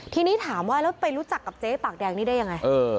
ทีนี้ถามว่าแล้วไปรู้จักกับเจ๊ปากแดงนี้ได้ยังไง